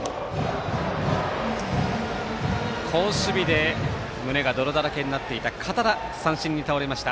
好守備で胸が泥だらけになっていた堅田、三振に倒れました。